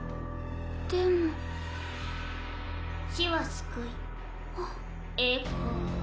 でも死は救いあっ栄光。